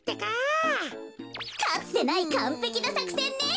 かつてないかんぺきなさくせんね。